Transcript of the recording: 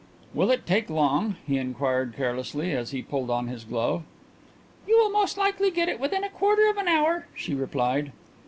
"Will it take long?" he inquired carelessly, as he pulled on his glove. "You will most likely get it within a quarter of an hour," she replied.